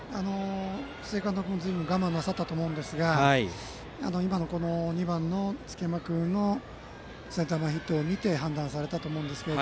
須江監督もずいぶん我慢なさったと思いますが今の、２番の月山君のセンター前ヒットを見て判断されたと思います。